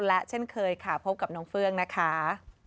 และเช่นเคยค่ะพบกับน้องเฟื่องนะคะ